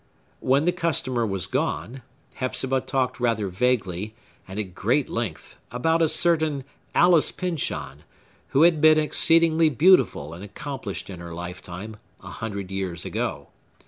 When the customer was gone, Hepzibah talked rather vaguely, and at great length, about a certain Alice Pyncheon, who had been exceedingly beautiful and accomplished in her lifetime, a hundred years ago.